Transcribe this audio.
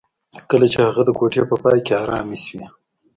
کله چې د هغه ګوتې په پای کې ارامې شوې